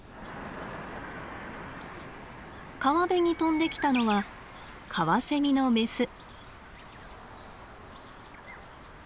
川辺に飛んできたのはカワセミのメス。